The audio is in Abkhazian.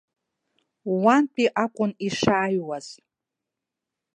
Уантәи акәын ишааҩуаз.